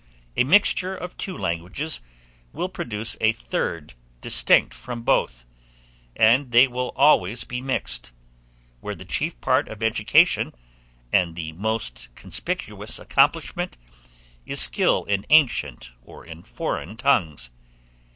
A mixture of two languages will produce a third distinct from both, and they will always be mixed, where the chief parts of education, and the most conspicuous accomplishment, is skill in ancient or in foreign tongues.